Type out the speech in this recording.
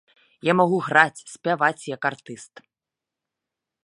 Я магу граць, спяваць як артыст.